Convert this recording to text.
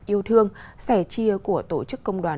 yêu thương sẻ chia của tổ chức công đoàn